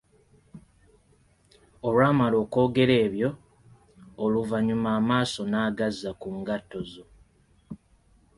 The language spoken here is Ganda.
Olwamala okwogera ebyo, oluvannyuma amaaso n‘agazza ku ngatto zo.